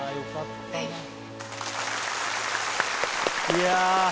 いや。